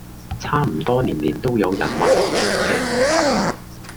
差唔多年年都有人問同樣既問題